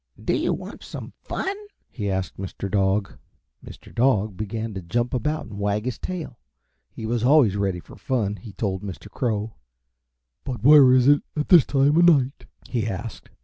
"Do you want some fun?" he asked Mr. Dog. Mr. Dog began to jump about and wag his tail. He was always ready for fun, he told Mr. Crow. "But where is it at this time of night?" he asked.